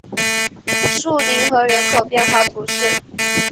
树林河人口变化图示